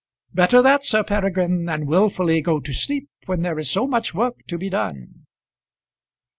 "Better that, Sir Peregrine, than wilfully go to sleep when there is so much work to be done."